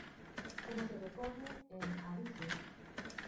Como se recoge en "Avisos.